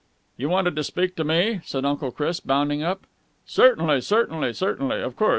"You wanted to speak to me?" said Uncle Chris, bounding up. "Certainly, certainly, certainly, of course.